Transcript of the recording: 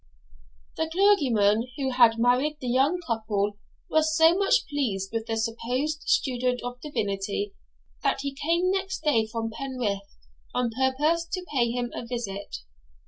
The clergyman who had married the young couple was so much pleased with the supposed student of divinity, that he came next day from Penrith on purpose to pay him a visit.